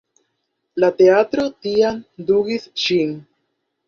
La teatro tiam dungis ŝin.